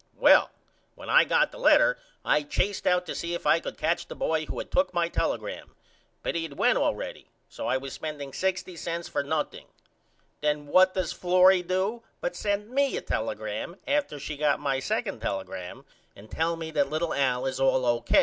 Well when I got the letter I chased out to see if I could catch the boy who had took my telegram but he had went allready so I was spending $.60 for nothing. Then what does Florrie do but send me a telegram after she got my second telegram and tell me that little Al is all O.